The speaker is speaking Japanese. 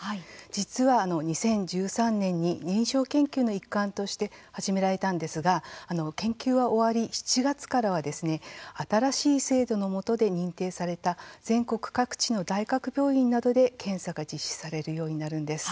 実は、２０１３年に、臨床研究の一環として始められたんですが研究は終わり、７月からは新しい制度のもとで認定された全国各地の大学病院などで検査が実施されるようになるんです。